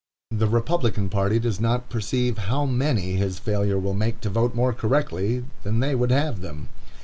The Republican party does not perceive how many his failure will make to vote more correctly than they would have them.